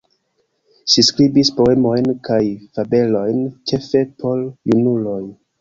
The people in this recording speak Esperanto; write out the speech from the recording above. Ŝi skribis poemojn kaj fabelojn ĉefe por junuloj.